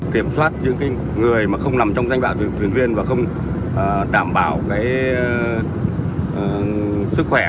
kiểm soát những người mà không nằm trong danh bạc được thuyền viên và không đảm bảo sức khỏe